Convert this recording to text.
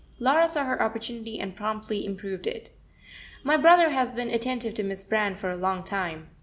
Laura saw her opportunity, and promptly improved it. "My brother has been attentive to Miss Brand for a long time.